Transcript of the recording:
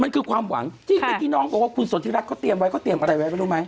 มันคือความหวังที่นายที่น้องบอกว่าคุณสนทิรัฐเขาเตรียมไว้